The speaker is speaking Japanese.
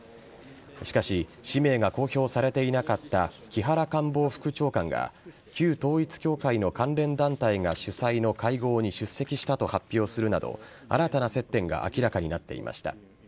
しかし氏名が公表されていなかった木原官房副長官が旧統一教会の関連団体が主催の会合に出席したと発表するなど新たな接点が明らかになっていました。